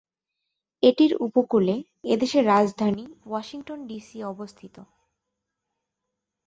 এটির উপকূলে এদেশের রাজধানী ওয়াশিংটন ডিসি অবস্থিত।